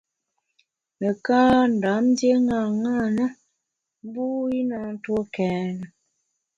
Nekâ Ndam ndié ṅaṅâ na, mbu i na ntue kèn.